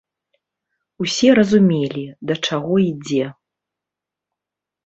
Усе разумелі, да чаго ідзе.